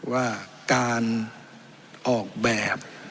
ว่าการออกแบบ